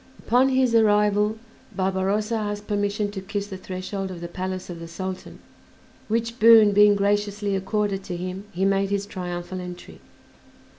Upon his arrival Barbarossa asked permission to kiss the threshold of the palace of the Sultan, which boon being graciously accorded to him, he made his triumphal entry.